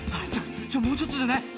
もうちょっとじゃない？